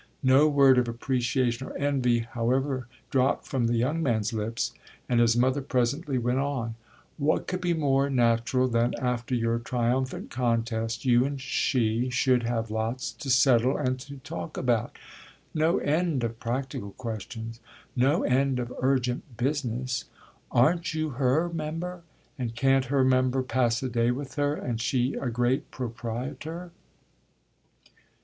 No word of appreciation or envy, however, dropped from the young man's lips, and his mother presently went on: "What could be more natural than that after your triumphant contest you and she should have lots to settle and to talk about no end of practical questions, no end of urgent business? Aren't you her member, and can't her member pass a day with her, and she a great proprietor?"